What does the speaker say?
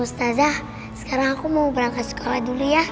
ustazah sekarang aku mau berangkat sekolah dulu ya